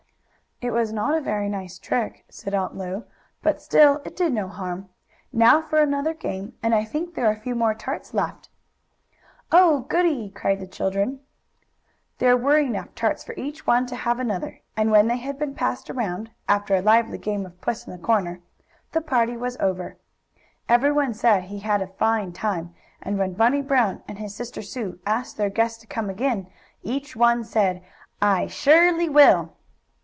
"It was not a very nice trick," said Aunt Lu. "But still it did no harm. Now for another game, and I think there are a few more tarts left." "Oh, goodie!" cried the children. There were enough tarts for each one to have another, and, when they had been passed around, after a lively game of Puss in the corner, the party was over. Everyone said he had had a fine time, and when Bunny Brown and his sister Sue asked their guests to come again, each one said: "I surely will!"